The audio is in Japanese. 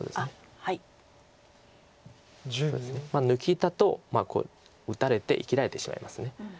まあ抜きだとこう打たれて生きられてしまいます。